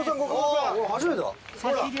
初めてだ。